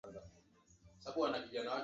mto ulianza kukauka wakati wa ukame